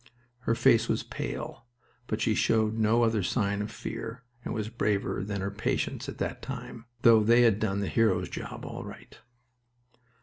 Her face was pale, but she showed no other sign of fear and was braver than her patients at that time, though they had done the hero's job all right.